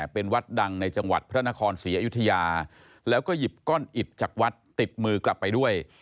เป็นวัดดังในจังหวัดพระนครศรีอยุธยาแล้วก็หยิบก้อนอิดจากวัดติดมือกลับไปด้วย